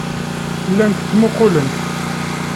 Llant ttmuqqulent.